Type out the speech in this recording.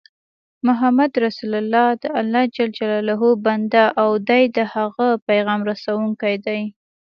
محمد رسول الله دالله ج بنده او د د هغه پیغام رسوونکی دی